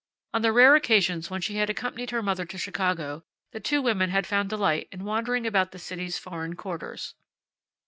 On the rare occasions when she had accompanied her mother to Chicago, the two women had found delight in wandering about the city's foreign quarters.